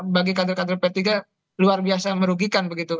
bagi kader kader p tiga luar biasa merugikan begitu